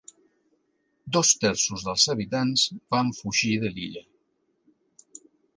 Dos terços dels habitants van fugir de l'illa.